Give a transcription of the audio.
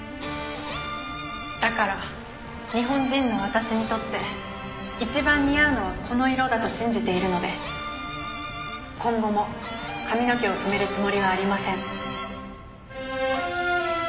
だから日本人の私にとって一番似合うのはこの色だと信じているので今後も髪の毛を染めるつもりはありません。